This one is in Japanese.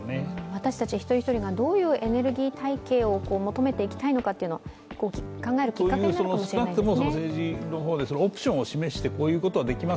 私たち一人一人がどういうエネルギー体系を求めていきたいのかというのは考えるきっかけになるかもしれませんね。